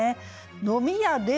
「飲み屋では」